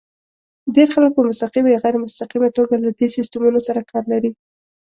ډېر خلک په مستقیمه یا غیر مستقیمه توګه له دې سیسټمونو سره کار لري.